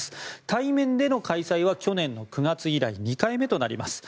対面での開催は去年９月以来２回目となります。